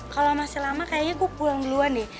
kalau masih lama kayaknya gue pulang duluan nih